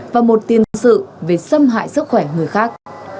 và một tiền sự về xâm hại sức khỏe người khác